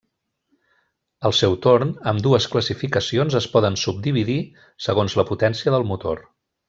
Al seu torn, ambdues classificacions es poden subdividir segons la potència del motor.